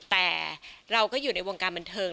แต่เราก็อยู่ในวงการบันเทิง